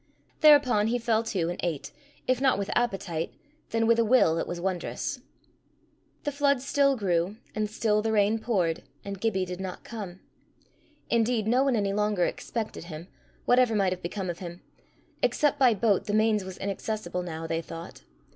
Thereupon he fell to, and ate, if not with appetite, then with a will that was wondrous. The flood still grew, and still the rain poured, and Gibbie did not come. Indeed no one any longer expected him, whatever might have become of him: except by boat the Mains was inaccessible now, they thought.